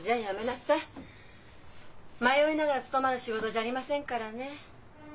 迷いながら務まる仕事じゃありませんからね。